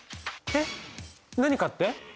えっ何かって？